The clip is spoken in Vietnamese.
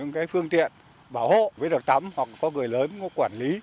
ngã xuống hồ nước